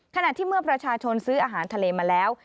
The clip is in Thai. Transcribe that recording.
ขณะที่เมื่อประชาชนซื้ออาหารทะเลมาแล้ว